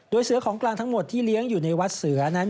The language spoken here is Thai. โดยเสือของกลางทั้งหมดที่เลี้ยงอยู่ในวัดเสือนั้น